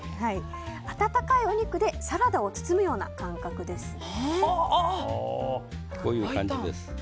温かいお肉でサラダを包むような感覚ですね。